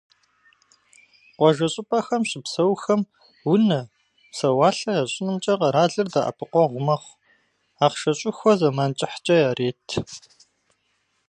Къуажэ щӀыпӀэхэм щыпсэухэм унэ, псэуалъэ ящӀынымкӀэ къэралыр дэӀэпыкъуэгъу мэхъу: ахъшэ щӀыхуэ зэман кӀыхькӀэ ярет.